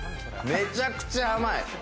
めちゃくちゃ甘い。